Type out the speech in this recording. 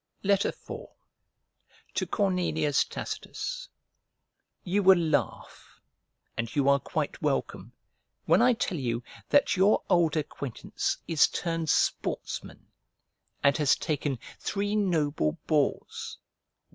IV To CORNELIUS TACITUS You will laugh (and you are quite welcome) when I tell you that your old acquaintance is turned sportsman, and has taken three noble boars.